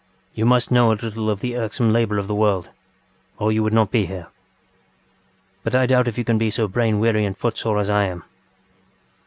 ŌĆ£You must know a little of the irksome labour of the world, or you would not be here. But I doubt if you can be so brain weary and footsore as I am